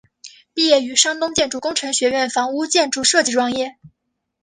毕业于山东建筑工程学院房屋建筑设计专业。